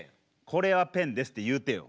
これはペンですって言うてよ。